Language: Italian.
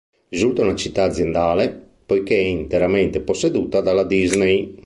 Risulta una città aziendale, poiché è interamente posseduta dalla Disney.